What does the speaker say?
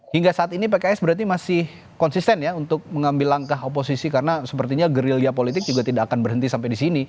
hingga saat ini pks berarti masih konsisten ya untuk mengambil langkah oposisi karena sepertinya gerilya politik juga tidak akan berhenti sampai di sini